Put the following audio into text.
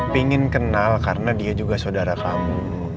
pengen kenal karena dia juga saudara kamu